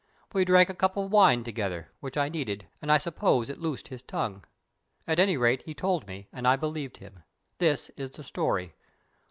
We drank a cup of wine together, which I needed, and I suppose it loosed his tongue. At any rate, he told me, and I believed him. This is the story.